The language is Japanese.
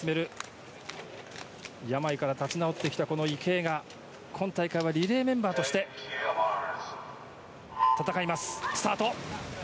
病から立ち直ってきた池江が今大会はリレーメンバーとして戦います。